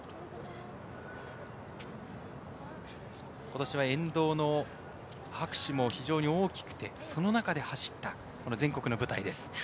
今年は沿道の拍手も非常に大きくてその中で走った全国の舞台です。